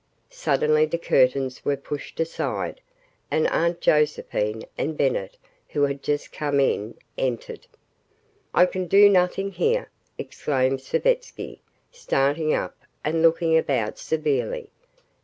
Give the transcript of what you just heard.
Suddenly the curtains were pushed aside and Aunt Josephine and Bennett, who had just come in, entered. "I can do nothing here," exclaimed Savetsky, starting up and looking about severely.